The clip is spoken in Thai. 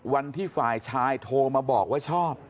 วันที่ฝ่ายชายโทรมาบอกว่าชอบ